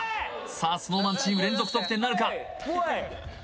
さあＳｎｏｗＭａｎチーム連続得点なるか？